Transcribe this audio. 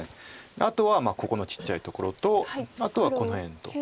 あとはここのちっちゃいところとあとはこの辺と。